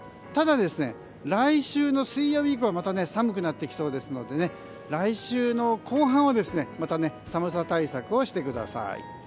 ただ、来週の水曜日以降また寒くなってきそうですので来週の後半はまた寒さ対策をしてください。